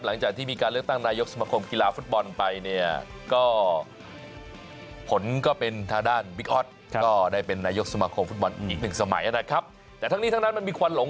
หลังจากที่มีการเลือกตั้งนายกสมคมกีฬาฟุตบอลไปเนี่ย